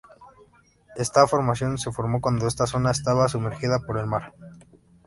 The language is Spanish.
Esta formación se formó cuando esta zona estaba sumergida por el mar.